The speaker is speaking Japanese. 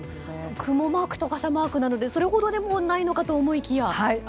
雲マークと傘マークなのでそれほどでもないと思いきや？